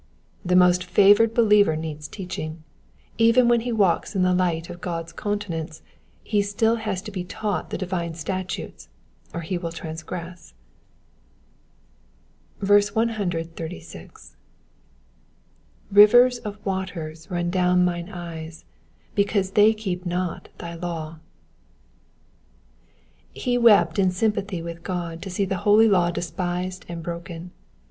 The most favoured believer needs teaching ; even when he walks in the light of God's countenance he has still to be taught the divine statutes or he will transgress. 136. ''^Rivers of waters run down mine eyes, because they keep not thy law,^^ He wept in sympathy with God to see the holy law despised and broken.